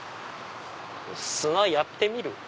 「砂やってみる？」。